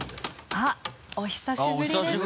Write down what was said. あっお久しぶりです。